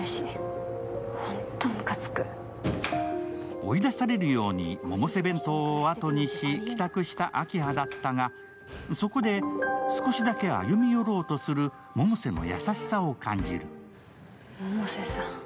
追い出されるようにモモセ弁当をあとにし帰宅した明葉だったが、そこで少しだけ歩み寄ろうとする百瀬の優しさを感じる。